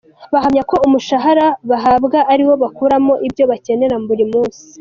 Bahamya ko umushahara bahabwa ariwo bakuramo ibyo bakenera buri munsi.